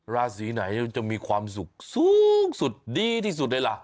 ราศีไหนจะมีความสุขสูงสุดดีที่สุดเลยล่ะ